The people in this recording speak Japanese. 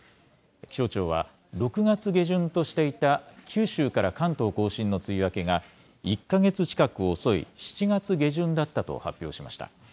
気象庁は、６月下旬としていた九州から関東甲信の梅雨明けが、１か月近く遅い、７月下旬だったと発表しました。